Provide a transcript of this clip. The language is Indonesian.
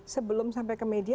sebelum sampai ke media